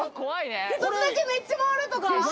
１つだけめっちゃ回るとか？